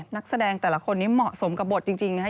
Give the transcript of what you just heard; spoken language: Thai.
นักแสดงแต่ละคนนี้เหมาะสมกับบทจริงนะครับ